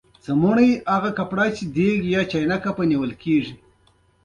د وریجو دانه د څه لپاره وکاروم؟